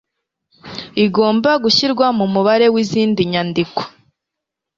igomba gushyirwa mu mubare w'izindi nyandiko